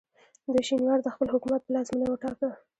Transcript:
دوی شینوار د خپل حکومت پلازمینه وټاکه.